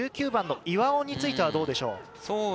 １９番の岩尾についてはどうでしょう？